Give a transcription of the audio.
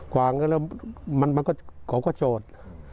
ฝั่งแล้วมันก็โจทย์